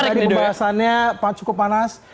tadi pembahasannya cukup panas